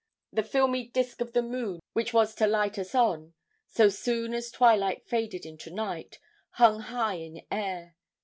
The filmy disk of the moon which was to light us on, so soon as twilight faded into night, hung high in air.